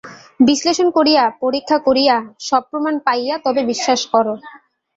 বিশ্লেষণ করিয়া পরীক্ষা করিয়া, সব প্রমাণ পাইয়া তবে বিশ্বাস কর।